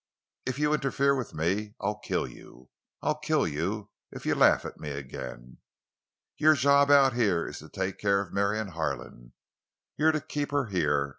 If you interfere with me I'll kill you. I'll kill you if you laugh at me again. Your job out here is to take care of Marion Harlan. You're to keep her here.